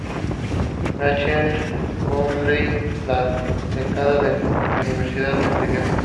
Rachel Bodley, la decana de la universidad, la inscribió.